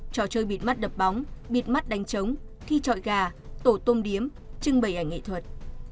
trò chơi bịt mắt đập bóng bịt mắt đánh trống thi trọi gà tổ tôm điếm trưng bày ảnh nghệ thuật